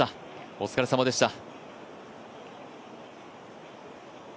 お疲れさまでした。